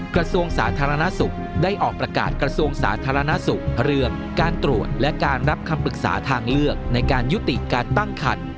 กระทรวงสาธารณสุขได้ออกประกาศกระทรวงสาธารณสุขเรื่องการตรวจและการรับคำปรึกษาทางเลือกในการยุติการตั้งคัน